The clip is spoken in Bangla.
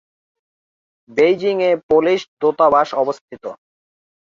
বেইজিংয়ে পোলিশ দূতাবাস অবস্থিত।